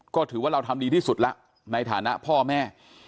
ก็ถือว่าเราทำดีที่สุดแล้วในฐานะพ่อแม่